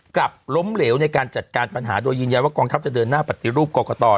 กลับล้มเหลวในการจัดการปัญหาโดยยืนยันว่ากองทัพจะเดินหน้าปฏิรูปกรกต